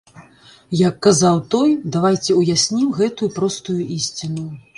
Як казаў той, давайце ўяснім гэтую простую ісціну.